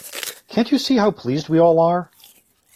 Can't you see how pleased we all are?